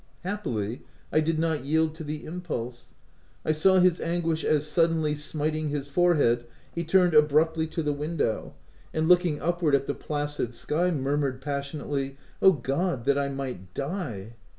Happily, I did not yield to the im pulse. I saw his anguish as suddenly smiting his forehead, he turned abruptly to the window, and, looking upward at the placid sky, mur mured passionately, " O God, that I might die